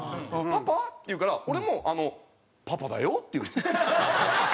「パパ？」って言うから俺もあの「パパだよ」って言うんです。